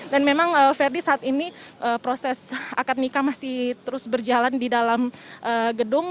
dan memang verdi saat ini proses akad nikah masih terus berjalan di dalam gedung